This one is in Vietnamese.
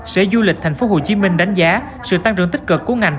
sở du lịch thành phố hồ chí minh đánh giá sự tăng trưởng tích cực của ngành